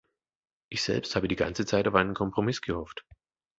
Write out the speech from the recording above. Ich selbst habe die ganze Zeit auf einen Kompromiss gehofft.